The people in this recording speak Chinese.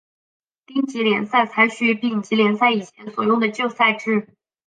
丁级联赛采取丙级联赛以前所用的旧赛制。